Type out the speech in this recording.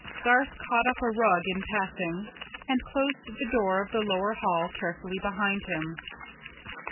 Garth caught up a rug in passing, and closed the door of the lower hall carefully behind him.